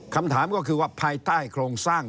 คำถามก็คือว่าภายใต้โครงสร้าง